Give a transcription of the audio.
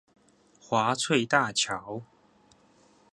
華翠大橋